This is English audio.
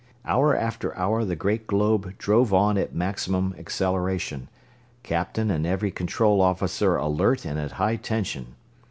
Hour after hour the great globe drove on at maximum acceleration, captain and every control officer alert and at high tension.